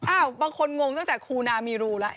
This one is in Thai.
อ้าวบางคนงงตั้งแต่คูนามีรูละ